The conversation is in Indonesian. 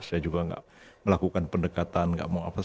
saya juga tidak melakukan pendekatan tidak mau apa apa